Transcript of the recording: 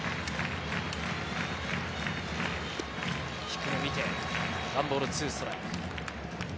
低め見て１ボール２ストライク。